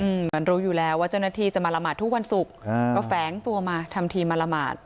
เหมือนรู้อยู่แล้วว่าเจ้าหน้าที่จะมาละหมาดทุกวันศุกร์ก็แฝงตัวมาทำทีมาละหมาด